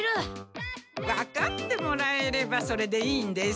わかってもらえればそれでいいんです。